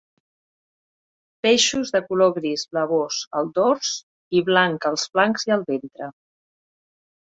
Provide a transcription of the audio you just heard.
Peixos de color gris blavós al dors i blanc als flancs i al ventre.